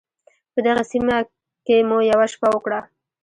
په دغې سیمه کې مو یوه شپه وکړه.